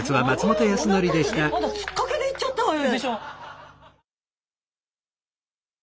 つっかけで行っちゃったわよ。